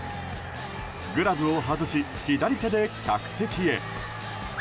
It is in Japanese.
グラブを外し、左手で客席へ。